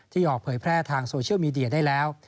ออกเผยแพร่ทางโซเชียลมีเดียได้แล้ว